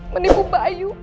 menipu mbak ayu